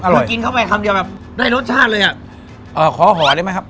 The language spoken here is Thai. พอกินเข้าไปคำเดียวแบบได้รสชาติเลยอ่ะขอห่อได้ไหมครับ